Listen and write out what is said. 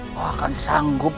kau akan sanggup